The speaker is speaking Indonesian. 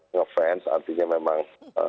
ngefans artinya memang